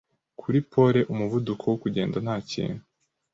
kuri pole umuvuduko wo kugenda ntakintu